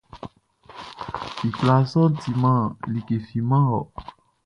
I kwlaa sɔʼn timan like fi man wɔ.